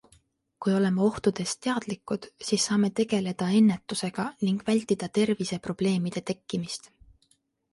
Kui oleme ohtudest teadlikud, siis saame tegeleda ennetusega ning vältida terviseprobleemide tekkimist.